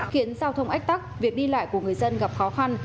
khiến giao thông ách tắc việc đi lại của người dân gặp khó khăn